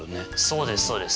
そうですそうです。